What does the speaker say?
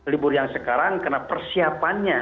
libur yang sekarang karena persiapannya